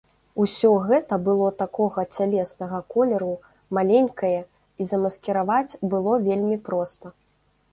Усё гэта было такога цялеснага колеру, маленькае, і замаскіраваць было вельмі проста.